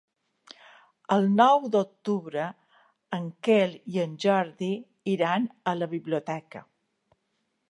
El nou d'octubre en Quel i en Jordi iran a la biblioteca.